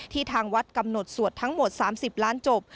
ทางวัดกำหนดสวดทั้งหมด๓๐ล้านจบ